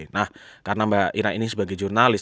nah karena mbak ira ini sebagai jurnalis